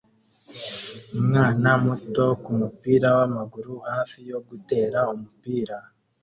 Umwana muto kumupira wamaguru hafi yo gutera umupira